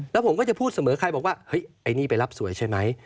แล้วผมก็จะพูดเสมอใครบอกว่าเฮ้ยไอ้นี่ไปรับสวยใช่ไหม